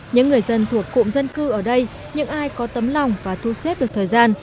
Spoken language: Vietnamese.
những người dân thuộc cụm dân cư ở đây những ai có tấm lòng và thu xếp được thời gian